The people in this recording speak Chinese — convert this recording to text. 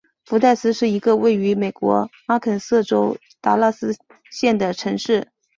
福代斯是一个位于美国阿肯色州达拉斯县的城市。